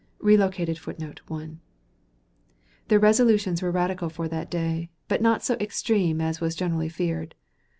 [Relocated Footnote (1): Their resolutions were radical for that day, but not so extreme as was generally feared.